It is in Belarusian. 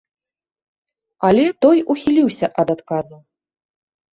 Але той ухіліўся ад адказу.